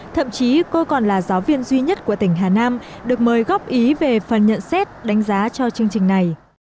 thậm chí cô còn là giáo viên duy nhất của tỉnh hà nam được mời góp ý về phần nhận xét đánh giá cho chương trình này